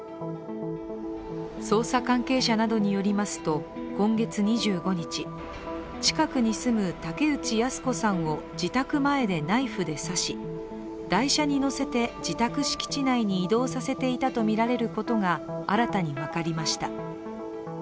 捜査関係者などによりますと、今月２５日近くに住む竹内靖子さんを自宅前でナイフで刺し台車に乗せて自宅敷地内に移動させていたとみられることが新たに分かりました。